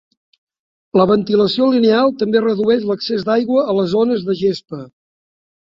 La ventilació lineal també redueix l'excés d'aigua a les zones de gespa.